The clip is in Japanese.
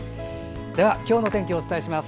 では今日の天気をお伝えします。